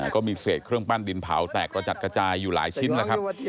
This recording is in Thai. ก็มีเศษเครื่องปั้นดินเผาแตกกระจัดกระจายอยู่หลายชิ้นแล้วครับ